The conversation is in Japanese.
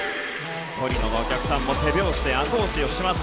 トリノのお客さんも手拍子であと押しをします。